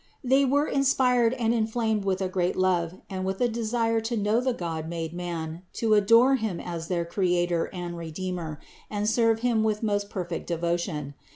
They were inspired and inflamed with a great love and with a desire to know the God made man, to adore Him as their Creator and Redeemer, and serve Him with most perfect devotion.